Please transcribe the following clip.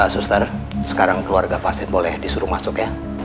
suster sekarang keluarga pasien boleh disuruh masuk ya